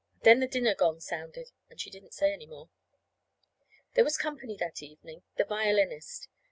Then the dinner gong sounded, and she didn't say any more. There was company that evening. The violinist.